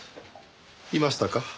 いましたか？